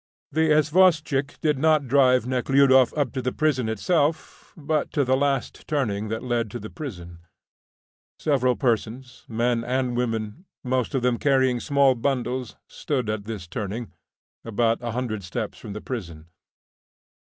The isvostchik did not drive Nekhludoff up to the prison itself, but to the last turning that led to the prison. Several persons men and women most of them carrying small bundles, stood at this turning, about 100 steps from the prison.